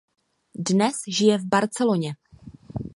Dnes žije v Barceloně.